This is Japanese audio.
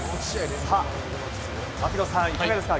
槙野さん、いかがですか？